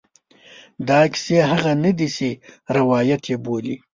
دا کیسې هغه نه دي چې روایت یې بولي.